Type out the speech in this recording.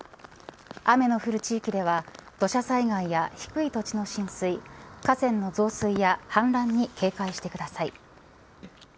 雨の降る地域では土砂災害や低い土地の浸水河川の増水や氾濫に警戒してください。